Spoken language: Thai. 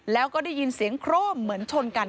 แล้วก็ได้ยินเสียงโครมเหมือนชนกัน